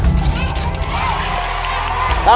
เริ่มครับ